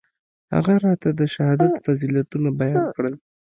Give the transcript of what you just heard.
هغه راته د شهادت فضيلتونه بيان کړل.